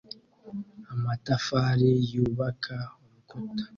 Amatafari yubaka urukuta